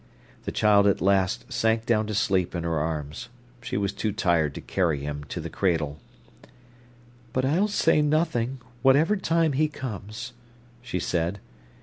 The child at last sank down to sleep in her arms. She was too tired to carry him to the cradle. "But I'll say nothing, whatever time he comes," she said.